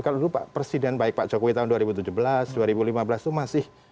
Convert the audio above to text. kalau dulu pak presiden baik pak jokowi tahun dua ribu tujuh belas dua ribu lima belas itu masih